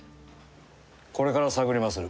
これから探りまする。